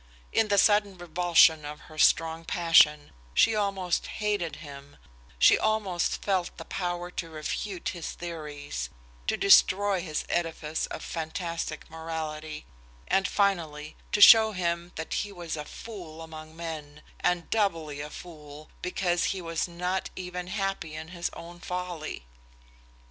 In the sudden revulsion of her strong passion, she almost hated him, she almost felt the power to refute his theories, to destroy his edifice of fantastic morality, and finally to show him that he was a fool among men, and doubly a fool, because he was not even happy in his own folly.